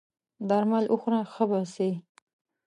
درمل وخوره ښه به سې!